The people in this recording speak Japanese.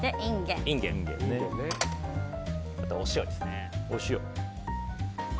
あと、お塩ですね。